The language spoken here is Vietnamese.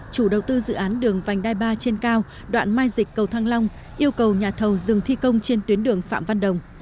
chủ đầu tư dự án đường vành đai ba trên cao đoạn mai dịch cầu thăng long yêu cầu nhà thầu dừng thi công trên tuyến đường phạm văn đồng